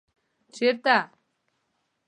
ـ چېرته ؟